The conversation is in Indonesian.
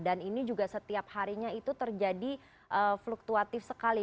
dan ini juga setiap harinya itu terjadi fluktuatif sekali